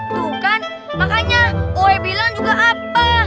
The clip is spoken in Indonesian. tuh kan makanya gue bilang juga apa